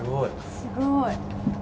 すごい。